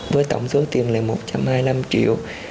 với tổng số tiền là một trăm hai mươi năm triệu